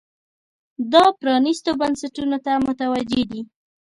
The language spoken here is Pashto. دا پرانیستو بنسټونو ته متوجې دي.